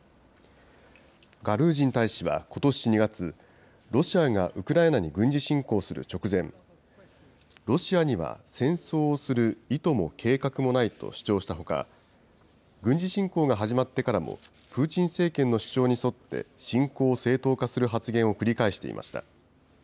ガルージン大使はことし２月、ロシアがウクライナに軍事侵攻する直前、ロシアには戦争する意図も計画もないと主張したほか、軍事侵攻が始まってからも、プーチン政権の主張に沿って侵攻を正当化する発言を繰り返していました。